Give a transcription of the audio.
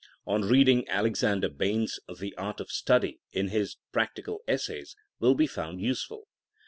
On reading, Alexander Bain's The Art of Study, in his Practical Essays, will be found useful.